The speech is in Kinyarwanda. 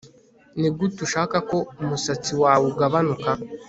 nigute ushaka ko umusatsi wawe ugabanuka